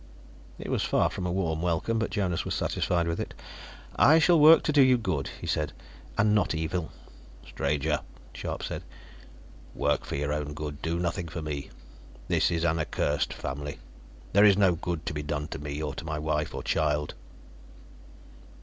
It was far from a warm welcome, but Jonas was satisfied with it. "I shall work to do you good," he said, "and not evil." "Stranger," Scharpe said, "work for your own good; do nothing for me. This is an accursed family; there is no good to be done to me, or my wife or child."